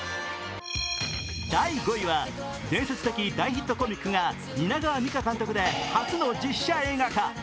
第５位は伝説的大ヒットコミックが蜷川実花監督で初の実写映画化。